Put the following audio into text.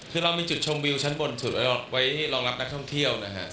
คือเรามีจุดชมวิวชั้นบนถือไว้รองรับนักท่องเที่ยวนะฮะ